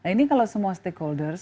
ini kalau semua stakeholders